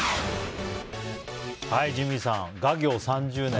ジミーさん、画業３０年。